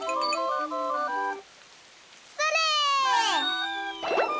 それ！